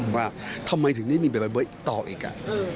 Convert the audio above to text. ว่าทำไมถึงนี่มีแบบต่ออีกอ่ะ